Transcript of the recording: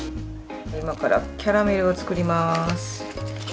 今からキャラメルを作ります。